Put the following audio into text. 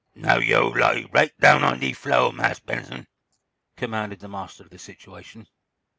"Now, yo' lie right down on de flo', Marse Benson," commanded the master of the situation.